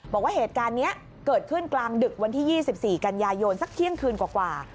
บอกว่าเหตุการณ์นี้เกิดขึ้นกลางดึกวันที่๒๔กันยายนสักเที่ยงคืนกว่า